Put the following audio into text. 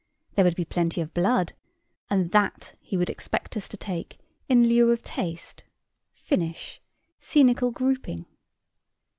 There would be plenty of blood, and that he would expect us to take in lieu of taste, finish, scenical grouping.